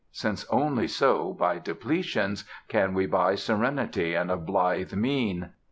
since only so, by depletions, can we buy serenity and a blithe mien.